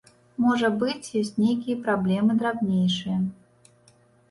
Можа быць, ёсць нейкія праблемы драбнейшыя.